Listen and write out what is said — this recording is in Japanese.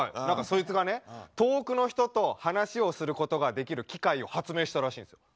何かそいつがね遠くの人と話をすることができる機械を発明したらしいんです。